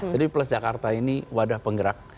jadi plus jakarta ini wadah penggerak